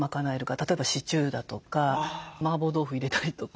例えばシチューだとかマーボー豆腐入れたりとか。